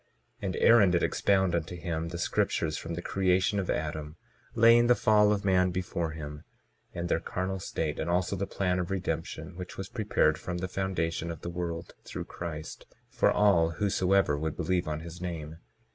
22:13 And Aaron did expound unto him the scriptures from the creation of Adam, laying the fall of man before him, and their carnal state and also the plan of redemption, which was prepared from the foundation of the world, through Christ, for all whosoever would believe on his name.